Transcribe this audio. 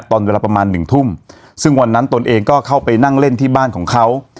ตอนเวลาประมาณหนึ่งทุ่มซึ่งวันนั้นตนเองก็เข้าไปนั่งเล่นที่บ้านของเขา